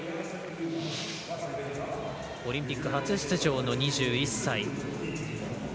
オリンピック初出場の２１歳。